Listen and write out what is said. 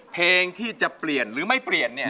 เพลงที่จะเปลี่ยนหรือไม่เปลี่ยน